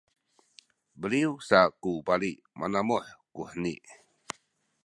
beliw sa ku bali manamuh kuheni